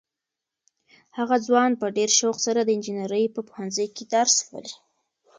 هغه ځوان په ډېر شوق سره د انجنیرۍ په پوهنځي کې درس لولي.